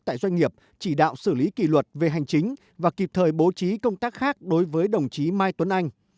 tại doanh nghiệp chỉ đạo xử lý kỷ luật về hành chính và kịp thời bố trí công tác khác đối với đồng chí mai tuấn anh